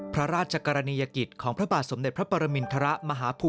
ผ่านเอาใจแล้วมีแมพพุทธในชื่อมีรักษ์ในการและมีรักษินทรัพย์ในเรื่องตามธรรมแห่งข้าย